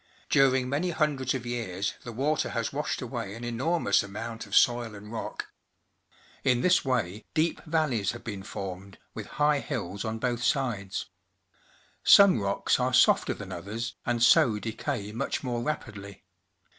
During many hundreds of years the water has washed away an enormous amount of soil and rock. In this way deep valleys have been formed, with high liills on both sides. The Gap, Canadian Rockies Some rocks are softer than others and so decay much more rapidly.